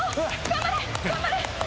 頑張れ！